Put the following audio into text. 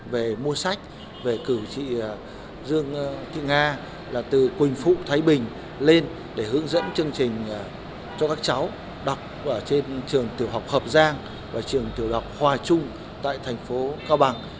về mua sách về cử chị dương thị nga là từ quỳnh phụ thái bình lên để hướng dẫn chương trình cho các cháu đọc trên trường tiểu học hợp giang và trường tiểu học hòa trung tại thành phố cao bằng